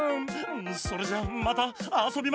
それじゃまたあそびましょ。